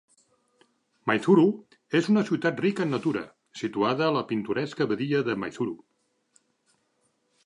Maizuru és una ciutat rica en natura, situada a la pintoresca badia de Maizuru.